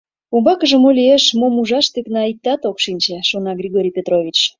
Умбакыже мо лиеш, мом ужаш тӱкна — иктат ок шинче», — шона Григорий Петрович.